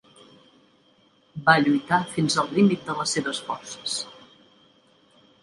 Va lluitar fins al límit de les seves forces.